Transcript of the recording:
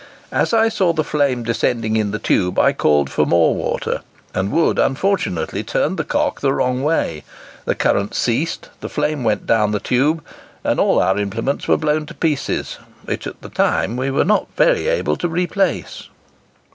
As I saw the flame descending in the tube I called for more water, and Wood unfortunately turned the cock the wrong way, the current ceased, the flame went down the tube, and all our implements were blown to pieces, which at the time we were not very able to replace."